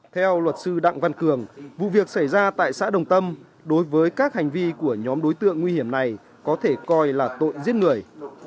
theo luật sư đặng văn cường vụ việc xảy ra tại xã đồng tâm đối với các hành vi của nhóm đối tượng nguy hiểm này có thể coi là tội giết người